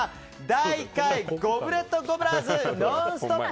第１回ゴブレットゴブラーズノンストップ！